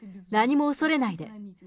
何も恐れないで。